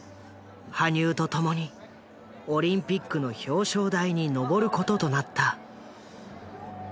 羽生と共にオリンピックの表彰台にのぼることとなった。